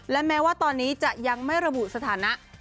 และแม้ว่าตอนนี้จะยังไม่ระบุสถานะ